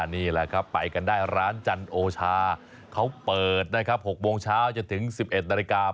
นี่แหละครับไปกันได้ร้านจันโอชาเขาเปิดนะครับ๖โมงเช้าจนถึง๑๑นาฬิกา